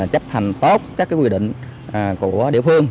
chấp hành tốt các quy định của địa phương